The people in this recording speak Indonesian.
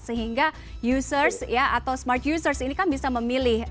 sehingga users atau smart users ini kan bisa memilih